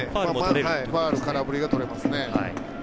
ファウル、空振りとれますね。